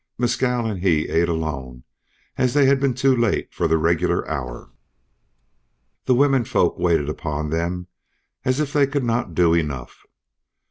Mescal and he ate alone, as they had been too late for the regular hour. The women folk waited upon them as if they could not do enough.